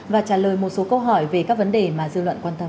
và trả lời một số câu hỏi về các vấn đề mà dư luận quan tâm